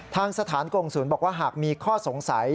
ทางสถานกงศูนย์บอกว่าหากมีข้อสงสัย